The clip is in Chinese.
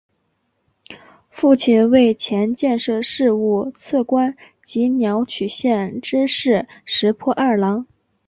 父亲为前建设事务次官及鸟取县知事石破二朗。